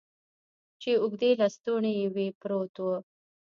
چې اوږدې لستوڼي یې وې، پروت و.